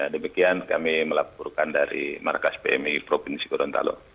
demikian kami melaporkan dari markas pmi provinsi gorontalo